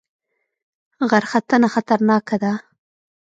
غرختنه خطرناکه ده؟